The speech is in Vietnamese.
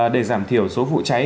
để giảm thiểu số vụ cháy